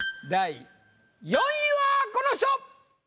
第４位はこの人！